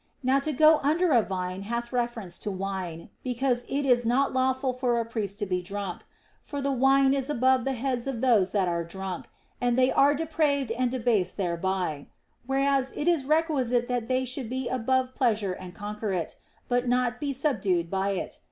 Now to go under a vine hath reference to wine, because it is not lawful for a priest to be drunk. For the wine is above the heads of those that are drunk, and they are depraved arid debased thereby ; whereas it is requisite that they should be above pleasure and conquer it, but not be sub dued by it.